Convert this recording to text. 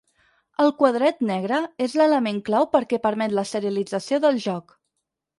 El quadret negre és l'element clau perquè permet la serialització del joc.